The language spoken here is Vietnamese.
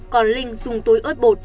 còn linh dùng túi ớt bột